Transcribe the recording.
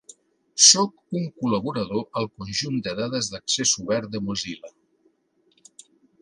Sóc un col·laborador al conjunt de dades d'accés obert de Mozilla.